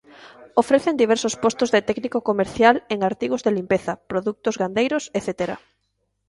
Ofrecen diversos postos de técnico comercial en artigos de limpeza, produtos gandeiros etcétera.